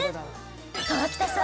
河北さん。